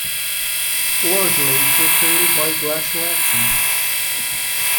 Large lakes were created by glacial action.